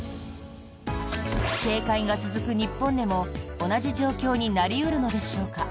警戒が続く日本でも同じ状況になり得るのでしょうか？